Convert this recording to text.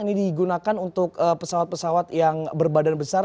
ini digunakan untuk pesawat pesawat yang berbadan besar